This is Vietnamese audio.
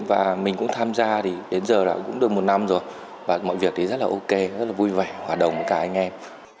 và mình cũng tham gia thì đến giờ là cũng được một năm rồi và mọi việc thì rất là ok rất là vui vẻ hòa đồng với cả anh em